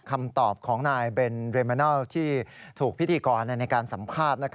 คำตอบของนายเบนเรเมนัลที่ถูกพิธีกรในการสัมภาษณ์